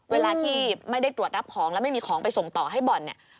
เวลาที่ไม่ได้ตรวจรับของแล้วไม่มีของไปส่งต่อให้บ่อนเนี่ย